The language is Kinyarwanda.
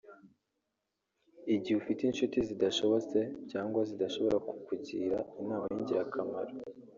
igihe ufite inshuti zidashobotse cyangwa zidashobora kukugira inama y’ingarakamaro